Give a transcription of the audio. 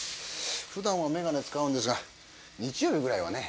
普段は眼鏡使うんですが日曜日ぐらいはね